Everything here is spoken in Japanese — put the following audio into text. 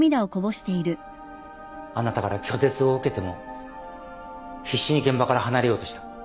あなたから拒絶を受けても必死に現場から離れようとした。